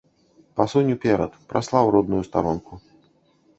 Пасунь уперад, праслаў родную старонку.